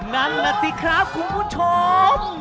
นั่นแหละสิครับคุณผู้ชม